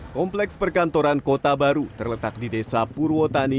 kompleks perkantoran kota baru terletak di desa purwotani